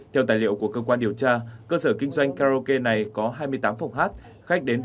theo tài liệu của cơ quan điều tra cơ sở kinh doanh karaoke này có hai mươi tám phòng hát khách đến